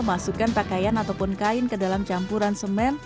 masukkan pakaian ataupun kain ke dalam campuran semen